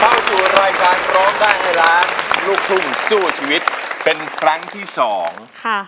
เข้าสู่รายการร้องได้ให้ล้านลูกทุ่งสู้ชีวิตเป็นครั้งที่สองค่ะ